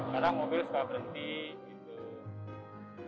karena mobil suka berhenti gitu